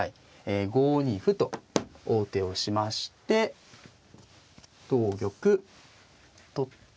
５二歩と王手をしまして同玉取って。